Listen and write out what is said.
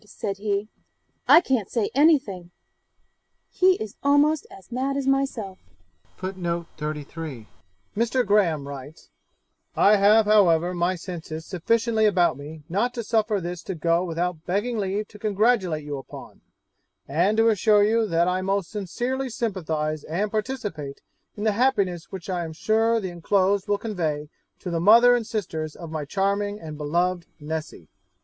said he, "I can't say anything"; he is almost as mad as myself.' Mr. Graham writes, 'I have however my senses sufficiently about me not to suffer this to go without begging leave to congratulate you upon, and to assure you that I most sincerely sympathize and participate in the happiness which I am sure the enclosed will convey to the mother and sisters of my charming and beloved Nessy.'